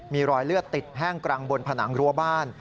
มีรอยเลือดติดแห้งกลางบนผนังรั้วบ้าน